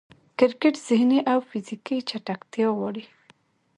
کرکټ ذهني او فزیکي چټکتیا غواړي.